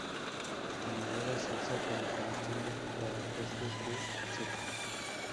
La madera se usa como combustible y para postes de cercas.